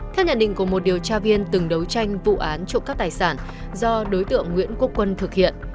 theo nhận định của một điều tra viên từng đấu tranh vụ án trộm cắp tài sản do đối tượng nguyễn quốc quân thực hiện